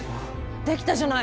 できたじゃない！